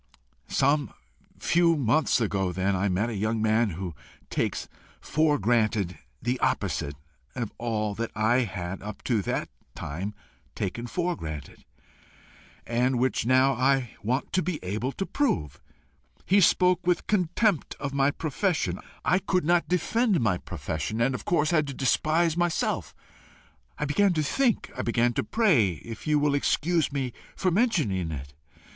"Some few months ago then, I met a young man who takes for granted the opposite of all that I had up to that time taken for granted, and which now I want to be able to prove. He spoke with contempt of my profession. I could not defend my profession, and of course had to despise myself. I began to think. I began to pray if you will excuse me for mentioning it.